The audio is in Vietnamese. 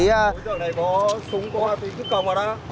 ở chỗ này có súng qua tùy cứ cầm vào đó